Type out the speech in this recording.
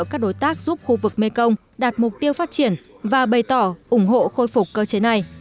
các đối tác giúp khu vực mekong đạt mục tiêu phát triển và bày tỏ ủng hộ khôi phục cơ chế này